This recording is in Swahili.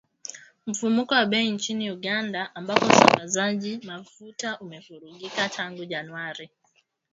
Mfumuko wa Bei Nchini Uganda ambako usambazaji mafuta umevurugika tangu Januari